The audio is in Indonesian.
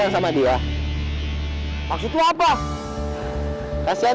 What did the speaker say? siapa mah malele